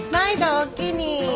おおきに。